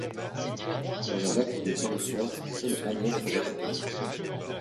Sur le reste du territoire, seul Amiens progresse un peu.